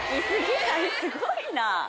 すごいな。